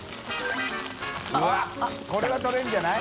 Δ錣叩あっこれは撮れるんじゃない？